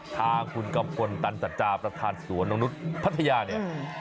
ทางคุณตันสัจจาบประธานสวนดรงนุษคฎภะยาเนี่ย